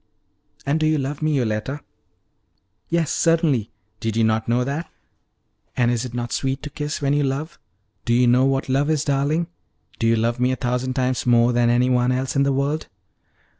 "And do you love me, Yoletta?" "Yes, certainly did you not know that?" "And is it not sweet to kiss when you love? Do you know what love is, darling? Do you love me a thousand times more than any one else in the world?"